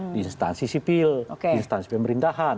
di instansi sipil instansi pemerintahan